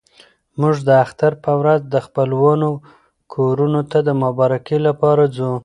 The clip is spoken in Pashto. موږ د اختر په ورځ د خپلوانو کورونو ته د مبارکۍ لپاره ځو.